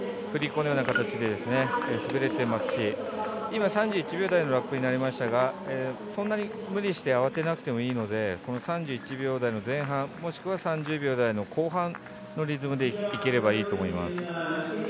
振り子のような形で滑れていますし３１秒台のラップになりましたがそんなに無理して慌てなくてもいいのでこの３１秒台の前半、もしくは３０秒台の後半のリズムでいければいいと思います。